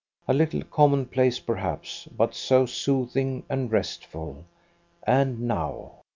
a little commonplace, perhaps, but so soothing and restful. And now!